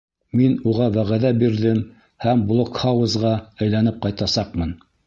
Мин уға вәғәҙә бирҙем һәм блокһаузға әйләнеп ҡайтасаҡмын.